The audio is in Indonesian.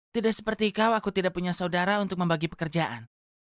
tidak seperti kau aku tidak punya saudara untuk membagi pekerjaan